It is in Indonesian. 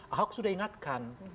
ahok sudah ingatkan